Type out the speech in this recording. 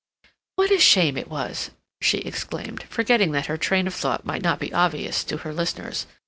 "What a shame it was!" she exclaimed, forgetting that her train of thought might not be obvious to her listeners.